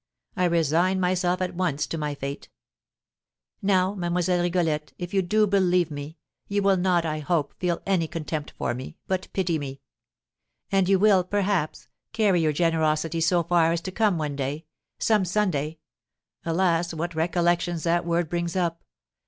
I resign myself at once to my fate. Now, Mlle. Rigolette, if you do believe me, you will not, I hope, feel any contempt for me, but pity me; and you will, perhaps, carry your generosity so far as to come one day, some Sunday (alas, what recollections that word brings up!)